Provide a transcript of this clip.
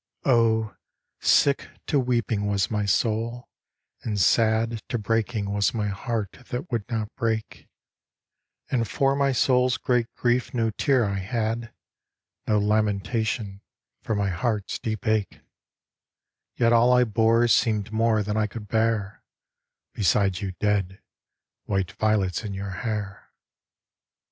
Oh, sick to weeping was my soul, and sad To breaking was my heart that would not break; And for my soul's great grief no tear I had, No lamentation for my heart's deep ache; Yet all I bore seemed more than I could bear Beside you dead, white violets in your hair.